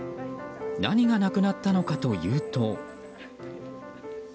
何がなくなったのかというと。